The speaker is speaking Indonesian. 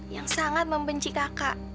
yang sangat membenci kakak